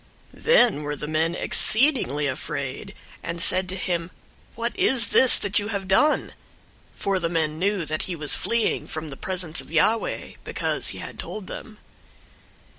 001:010 Then were the men exceedingly afraid, and said to him, "What is this that you have done?" For the men knew that he was fleeing from the presence of Yahweh, because he had told them.